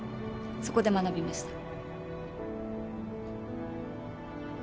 そこで学びました。